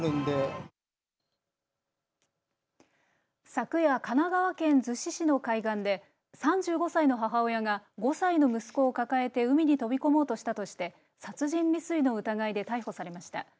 昨夜、神奈川県逗子市の海岸で３５歳の母親が５歳の息子を抱えて海に飛び込もうとしたとして殺人未遂の疑いで逮捕されました。